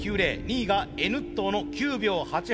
２位がＮットーの９秒８８。